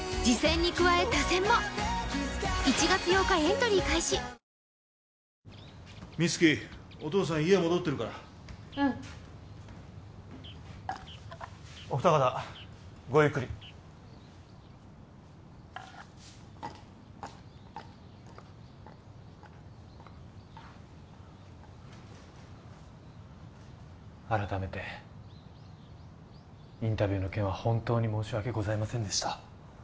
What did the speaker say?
光希お父さん家戻ってるからうんお二方ごゆっくり改めてインタビューの件は本当に申し訳ございませんでした